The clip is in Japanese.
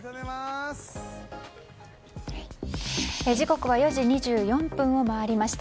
時刻は４時２４分を回りました。